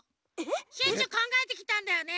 シュッシュかんがえきたんだよね。